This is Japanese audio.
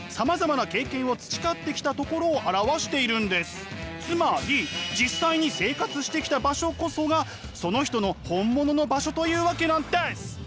本物の場所というのはつまり実際に生活してきた場所こそがその人の本物の場所というわけなんです！